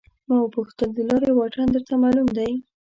ما وپوښتل د لارې واټن درته معلوم دی.